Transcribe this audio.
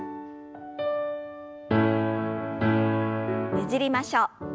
ねじりましょう。